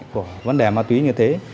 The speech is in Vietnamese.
của vấn đề má túy như thế